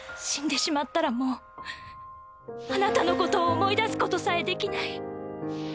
死んでしまったらもうあなたのことを思い出すことさえできない。